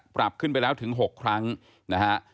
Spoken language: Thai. ปรับขึ้นไปแล้วถึง๖ครั้งนะฮะ